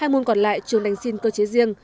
hai môn còn lại trường đánh xin cơ chế riêng